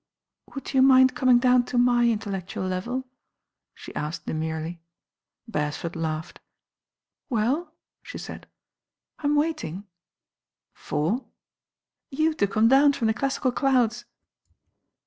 "Would you mind coming down to my intellec tual level?" she asked demurely. Beresford laughed. "Well?" she said, "I'm waiting." "For?" "You to come down from the classical clouds."